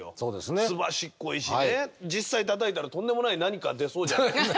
すばしっこいしね実際たたいたらとんでもない何か出そうじゃないですか。